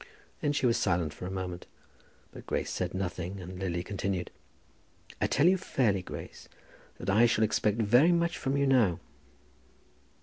Then she was silent for a moment, but Grace said nothing, and Lily continued, "I tell you fairly, Grace, that I shall expect very much from you now."